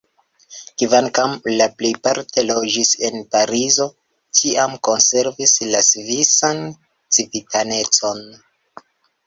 Kvankam le plejparte loĝis en Parizo, ĉiam konservis la svisan civitanecon.